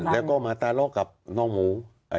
แล้วก็มาตาเลาะกับน้องหมู